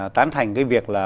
tán thành cái việc là